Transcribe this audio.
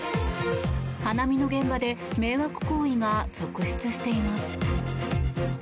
花見の現場で迷惑行為が続出しています。